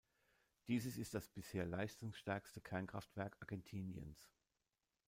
Dieses ist das bisher leistungsstärkste Kernkraftwerk Argentiniens.